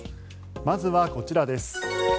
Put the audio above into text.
まずはこちらです。